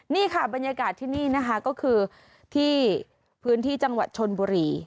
นี่ค่ะบรรยากาศที่นี่นะคะก็คือที่พื้นที่จังหวัดชนบุรี